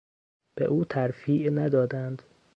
به او ترفیع ندادند.